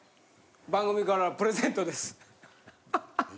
番組からプレゼントです。ハハハ。